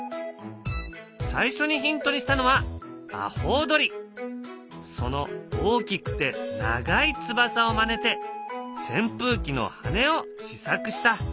最初にヒントにしたのはその大きくて長い翼をまねてせん風機の羽根を試作した。